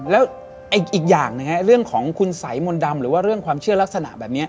แล้วอีกอย่างนะฮะเรื่องของคุณสัยมนต์ดำหรือว่าเรื่องความเชื่อลักษณะแบบนี้